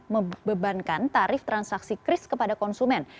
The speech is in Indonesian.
membebankan tarif transaksi kris kepada konsumen